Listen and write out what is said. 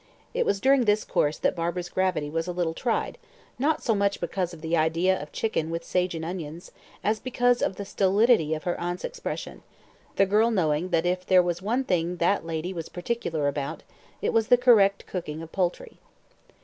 It was during this course that Barbara's gravity was a little tried, not so much because of the idea of chicken with sage and onions, as because of the stolidity of her aunt's expression the girl knowing that if there was one thing that lady was particular about, it was the correct cooking of poultry.